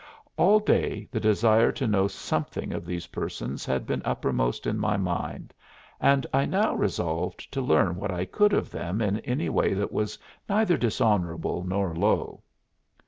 All day the desire to know something of these persons had been uppermost in my mind and I now resolved to learn what I could of them in any way that was neither dishonorable nor low.